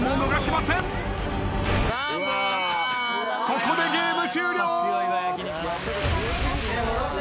ここでゲーム終了。